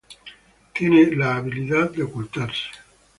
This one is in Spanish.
Tiene la habilidad de ocultarse.